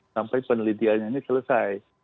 sampai penelitiannya ini selesai